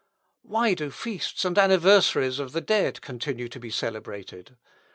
Why do feasts and anniversaries of the dead continue to be celebrated?